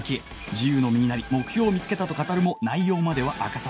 自由の身になり目標を見つけたと語るも内容までは明かさず